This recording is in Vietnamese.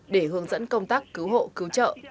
để hướng dẫn công tác cứu hộ cứu trợ